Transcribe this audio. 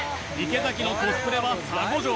池崎のコスプレは沙悟浄